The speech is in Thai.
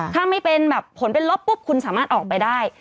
ถ้าไม่เป็นแบบผลเป็นลบปุ๊บคุณสามารถออกไปได้